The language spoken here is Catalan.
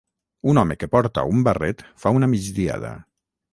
Un home que porta un barret fa una migdiada.